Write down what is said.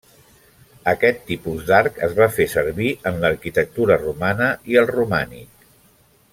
Aquest tipus d'arc es va fer servir en l'arquitectura romana i al romànic.